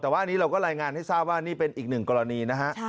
แต่ว่าอันนี้เราก็รายงานให้ทราบว่านี่เป็นอีกหนึ่งกรณีนะฮะ